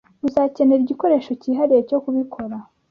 Uzakenera igikoresho cyihariye cyo kubikora.